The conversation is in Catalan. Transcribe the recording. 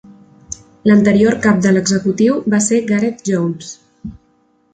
L'anterior Cap de l'executiu va ser Gareth Jones.